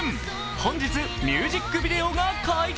本日ミュージックビデオが解禁。